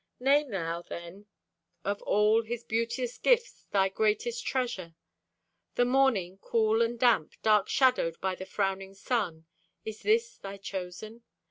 Name thou then of all His beauteous gifts thy greatest treasure. The morning, cool and damp, dark shadowed By the frowning sun—is this thy chosen?